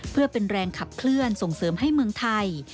เพื่อเป็นแรงขับเคลื่อนส่งเสริมให้เมืองไทย